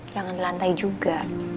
jangan di lantai juga